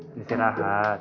sini lah road